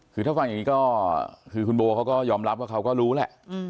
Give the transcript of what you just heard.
คือถ้าฟังอย่างนี้ก็คือคุณโบเขาก็ยอมรับว่าเขาก็รู้แหละ